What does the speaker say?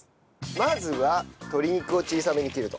まずは鶏肉を小さめに切ると。